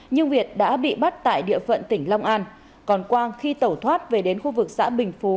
nhưng việt đã bị bắt tại địa phận tỉnh long an còn quang khi tẩu thoát về đến khu vực xã bình phú